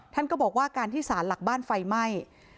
ท่านก็บอกว่าการที่สารหลักบ้านไฟไหม้